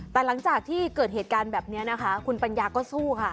แต่หลังจากที่เกิดเหตุการณ์แบบนี้นะคะคุณปัญญาก็สู้ค่ะ